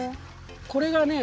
これがね